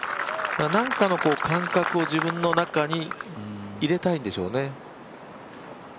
なんかの感覚を自分の中に入れたいんでしょうね。